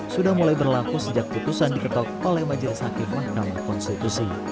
sudah mulai berlaku sejak putusan diketok oleh majelis hakim mahkamah konstitusi